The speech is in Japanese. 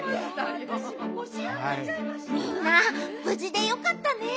みんなぶじでよかったね。